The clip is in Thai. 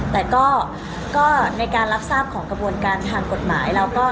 แต่ก็ในการรับทราบของกระบวนการทางกฎหมายเราก็